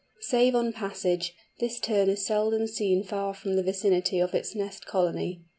Save on passage, this Tern is seldom seen far from the vicinity of its nest colony.